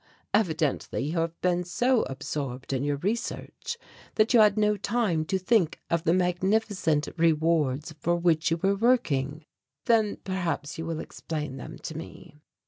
Evidently you have been so absorbed in your research that you had no time to think of the magnificent rewards for which you were working." "Then perhaps you will explain them to me."